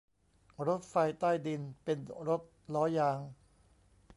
รถไฟใต้ดินเป็นรถล้อยาง